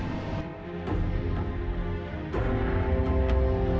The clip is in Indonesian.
pembuangan handphone milik korban